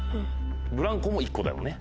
ブランコも１個だもんね